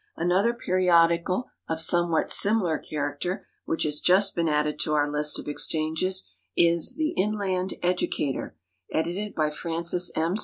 Another periodical of somewhat siuiilar character which has just been added to our list of exchanges is " The Inland Kducator," edited by Francis M.